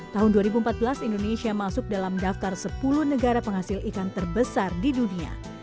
tahun dua ribu empat belas indonesia masuk dalam daftar sepuluh negara penghasil ikan terbesar di dunia